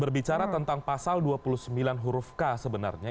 berbicara tentang pasal dua puluh sembilan huruf k sebenarnya